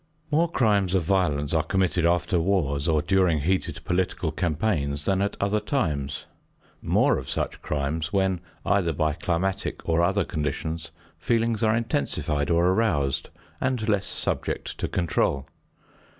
More crimes of violence are committed after wars or during heated political campaigns than at other times; more of such crimes when, either by climatic or other conditions, feelings are intensified or aroused and less subject to control.